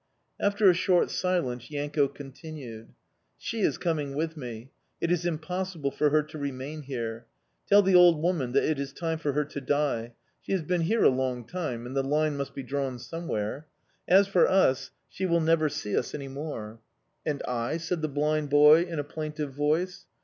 After a short silence Yanko continued. "She is coming with me. It is impossible for her to remain here. Tell the old woman that it is time for her to die; she has been here a long time, and the line must be drawn somewhere. As for us, she will never see us any more." "And I?" said the blind boy in a plaintive voice.